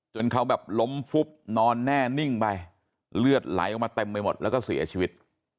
เขาแบบล้มฟุบนอนแน่นิ่งไปเลือดไหลออกมาเต็มไปหมดแล้วก็เสียชีวิต